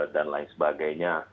dan lain sebagainya